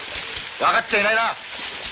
分かっちゃいないな！